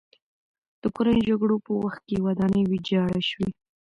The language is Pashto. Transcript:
د کورنیو جګړو په وخت کې ودانۍ ویجاړه شوې.